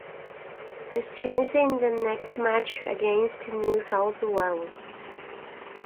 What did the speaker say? This changed in the next match against New South Wales.